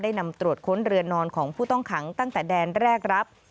นำตรวจค้นเรือนนอนของผู้ต้องขังตั้งแต่แดนแรกรับ